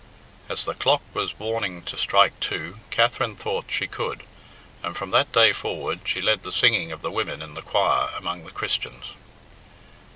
As the clock was warning to strike two Katherine thought she could, and from that day forward she led the singing of the women in the choir among "The Christians."